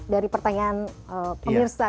dari pertanyaan pemirsa